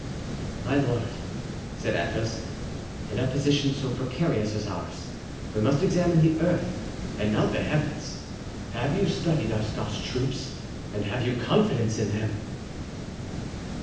"My lord," said Athos, "in a position so precarious as ours we must examine the earth and not the heavens. Have you studied our Scotch troops and have you confidence in them?"